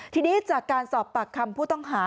ทีนี้จากการสอบปากคำผู้ต้องหา